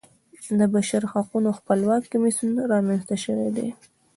د بشرحقونو خپلواک کمیسیون رامنځته شوی دی.